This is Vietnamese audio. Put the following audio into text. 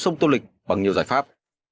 sông tô lịch bằng nhiều giải pháp